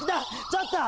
ちょっと！